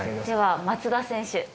では松田選手。